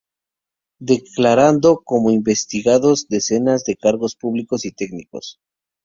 declarando como investigados decenas de cargos públicos y técnicos